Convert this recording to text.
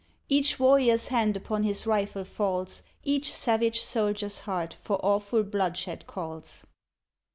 Each warrior's hand upon his rifle falls, Each savage soldier's heart for awful bloodshed calls.